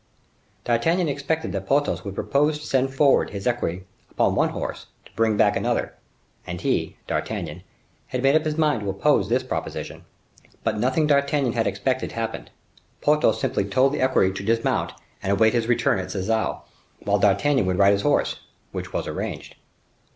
D'Artagnan expected that Porthos would propose to send forward his equerry upon one horse to bring back another, and he—D'Artagnan—had made up his mind to oppose this proposition. But nothing D'Artagnan had expected happened. Porthos simply told the equerry to dismount and await his return at Sarzeau, whilst D'Artagnan would ride his horse; which was arranged.